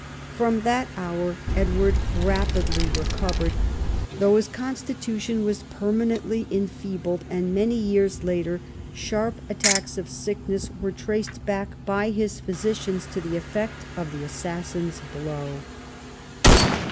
From that hour Edward rapidly recovered, though his constitution was permanently enfeebled, and many years later sharp attacks of sickness were traced back by his physicians to the eff"ect of the assassin's blow.